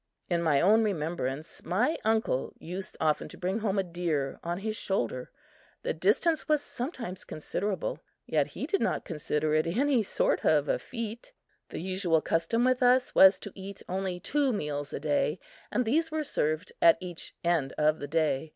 In my own remembrance, my uncle used often to bring home a deer on his shoulder. The distance was sometimes considerable; yet he did not consider it any sort of a feat. The usual custom with us was to eat only two meals a day and these were served at each end of the day.